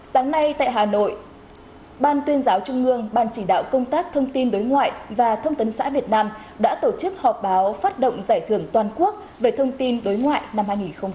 sáng nay tại hà nội ban tuyên giáo trung ương ban chỉ đạo công tác thông tin đối ngoại và thông tấn xã việt nam đã tổ chức họp báo phát động giải thưởng toàn quốc về thông tin đối ngoại năm hai nghìn hai mươi